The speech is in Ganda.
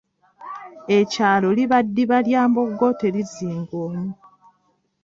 Ekyalo ddiba lya mbogo terizingwa omu